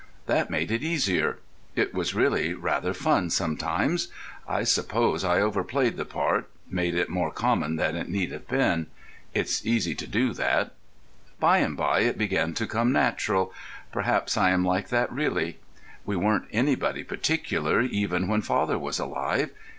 That made it easier—it was really rather fun sometimes. I suppose I overplayed the part—made it more common than it need have been—it's easy to do that. By and by it began to come natural; perhaps I am like that really. We weren't anybody particular even when father was alive.